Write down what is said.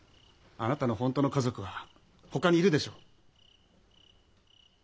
あなたの本当の家族はほかにいるでしょ。